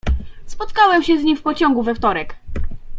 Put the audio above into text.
"Spotkałem się z nim w pociągu we wtorek."